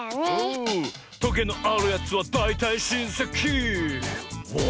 「トゲのあるやつはだいたいしんせきおお」